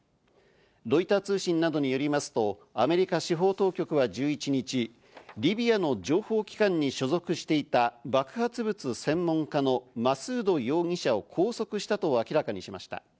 ロイター通信などによりますと、アメリカ司法当局は１１日、リビアの情報機関に所属していた爆発物専門家のマスード容疑者を拘束したと明らかにしました。